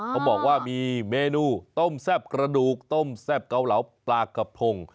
เขาบอกว่ามีเมนูต้มแซ่บกระดูกต้มแซ่บเกาเหลาปลากระพง